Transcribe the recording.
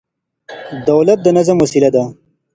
دولت د نظم وسيله ده.